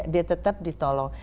dia tetap ditolong